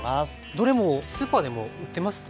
どれもスーパーでも売ってますね